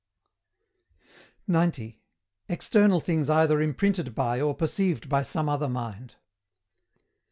90. EXTERNAL THINGS EITHER IMPRINTED BY OR PERCEIVED BY SOME OTHER MIND.